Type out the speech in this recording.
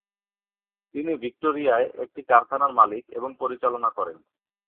তিনি ভিক্টোরিয়ায় একটি কারখানার মালিক এবং পরিচালনা করেন।